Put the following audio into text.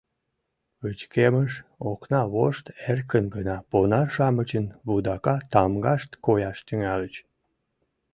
Пычкемыш окна вошт эркын гына понар-шамычын вудака тамгашт кояш тӱҥальыч.